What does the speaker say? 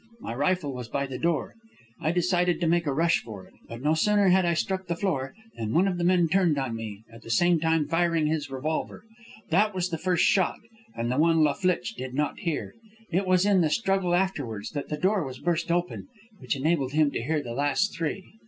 My rifle was by the door. I decided to make a rush for it. But no sooner had I struck the floor than one of the men turned on me, at the same time firing his revolver. That was the first shot, and the one La Flitche did not hear. It was in the struggle afterwards that the door was burst open, which enabled him to hear the last three.